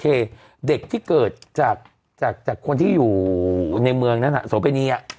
คือโอเคเด็กที่เกิดจากคนที่อยู่ในเมืองนั้นโสเภณี